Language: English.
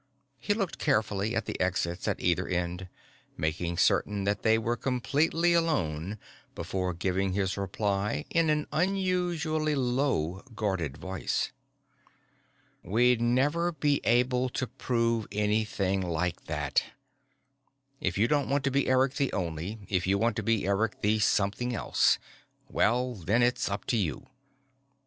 He looked carefully at the exits at either end, making certain that they were completely alone before giving his reply in an unusually low, guarded voice. "We'd never be able to prove anything like that. If you don't want to be Eric the Only, if you want to be Eric the something else, well then, it's up to you.